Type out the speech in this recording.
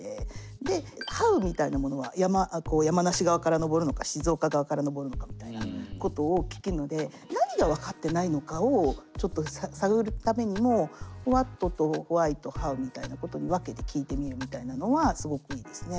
でＨｏｗみたいなものは山梨側から登るのか静岡側から登るのかみたいなことを聞けるので何が分かってないのかをちょっと探るためにもＷｈａｔとＷｈｙとＨｏｗみたいなことに分けて聞いてみるみたいなのはすごくいいですね。